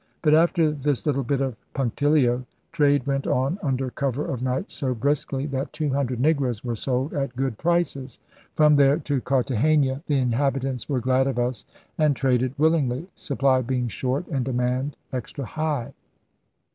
But, after this little bit of punctilio, trade went on under cover of night so briskly that two hundred negroes were sold at good prices. From there to Cartagena *the inhabitants were glad of us and traded HAWKINS AND THE FIGHTING TRADERS 89 willingly,' supply being short and demand extra high.